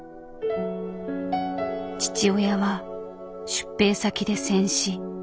父親は出兵先で戦死。